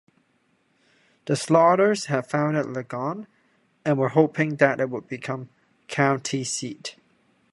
The Slaughters had founded Ligon and were hoping that it would become county seat.